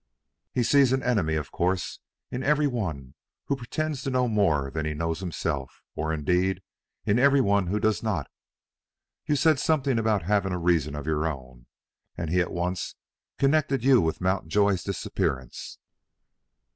"He sees an enemy, of course, in every one who pretends to know more than he knows himself, or, indeed, in every one who does not. You said something about having a reason of your own, and he at once connected you with Mountjoy's disappearance.